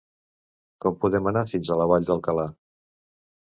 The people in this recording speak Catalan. Com podem anar fins a la Vall d'Alcalà?